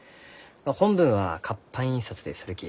本文は活版印刷でするき。